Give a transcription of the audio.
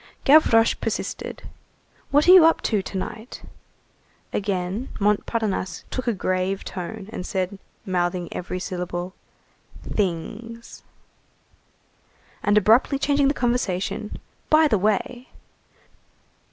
Gavroche persisted:— "What are you up to to night?" Again Montparnasse took a grave tone, and said, mouthing every syllable: "Things." And abruptly changing the conversation:— "By the way!"